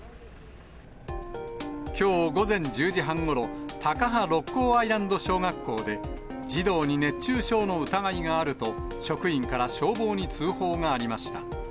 きょう午前１０時半ごろ、高羽六甲アイランド小学校で、児童に熱中症の疑いがあると、職員から消防に通報がありました。